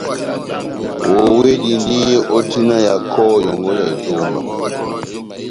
Owedindi ó tina ya kɔhɔ yɔ́ngɔ ya etomba